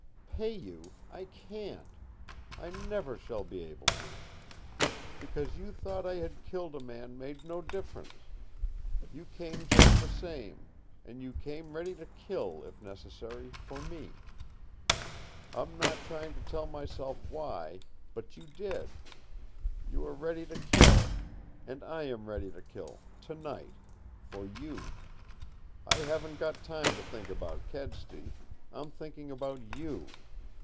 Pay you! I can't. I never shall be able to. Because you thought I had killed a man made no difference You came just the same. And you came ready to kill, if necessary for me. I'm not trying to tell myself WHY! But you did. You were ready to kill. And I am ready to kill tonight for you! I haven't got time to think about Kedsty. I'm thinking about you.